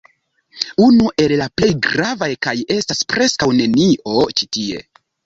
Unu el la plej gravaj kaj estas preskaŭ nenio ĉi tie